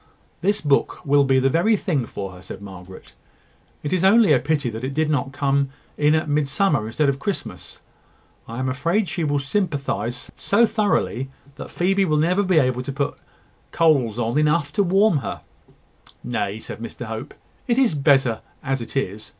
"This book will be the very thing for her," said Margaret. "It is only a pity that it did not come in at Midsummer instead of Christmas. I am afraid she will sympathise so thoroughly that Phoebe will never be able to put on coals enough to warm her." "Nay," said Mr Hope, "it is better as it is.